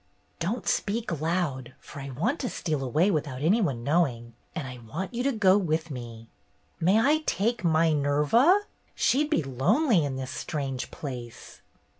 "Don't speak loud, for I want to steal away without any one knowing, and I want you to go with me." "May I take My Nerva? She'd be lonely in this strange place."